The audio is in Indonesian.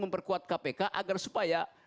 memperkuat kpk agar supaya